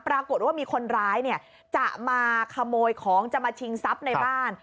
ปรากฏว่ามีคนร้ายเนี่ยจะมาขโมยของจะมาชิงทรัพย์ในบ้าน